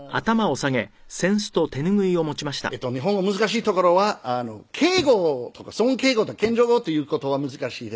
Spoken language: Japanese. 日本語難しいところは敬語とか尊敬語とか謙譲語という言葉難しいで。